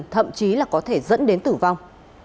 thậm chí là có thể dẫn đến tử vong